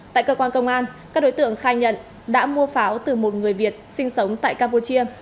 tại cơ quan công an các đối tượng khai nhận đã mua pháo từ một người việt sinh sống tại campuchia